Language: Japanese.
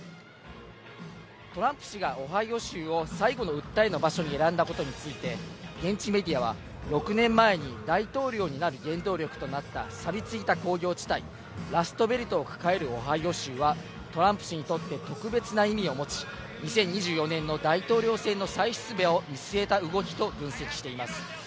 トランプ氏がオハイオ州を最後の訴えの場所に選んだことについて現地メディアは６年前に大統領になる原動力となった、さび付いた工業地帯、ラストベルトを抱えるオハイオ州はトランプ氏にとって特別な意味を持ち、２０２４年の大統領選の再出馬を見据えた動きと分析しています。